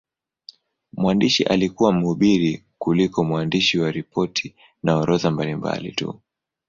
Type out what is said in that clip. Mwandishi alikuwa mhubiri kuliko mwandishi wa ripoti na orodha mbalimbali tu.